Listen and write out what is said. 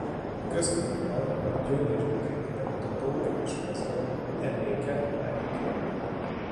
A köztudatban a Gyöngyösbokréta-bemutatók és mozgalom emléke máig él.